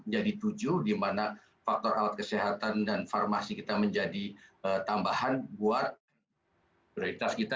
jadi tujuh di mana faktor alat kesehatan dan farmasi kita menjadi tambahan buat prioritas kita